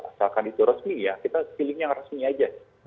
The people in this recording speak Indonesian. asalkan itu resmi ya kita feeling yang resmi aja